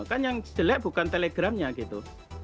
kan yang jelek bukan telegram nya gitu